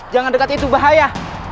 jangan dekat itu bahaya